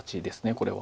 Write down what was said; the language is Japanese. これは。